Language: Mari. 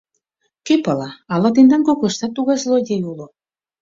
Кӧ пала, ала тендан коклаштат тугай злодей уло.